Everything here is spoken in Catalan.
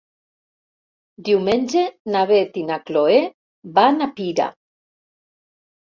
Diumenge na Beth i na Chloé van a Pira.